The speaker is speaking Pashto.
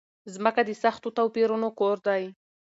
ځمکه د سختو توپيرونو کور دی.